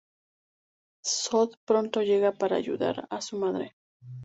Zod pronto llega para ayudar a su madre.